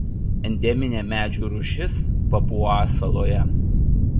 Endeminė medžių rūšis Papua saloje.